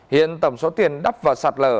hiện tổng số tiền đắp vào sạt lở